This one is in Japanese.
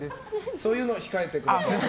そういうのは控えてください。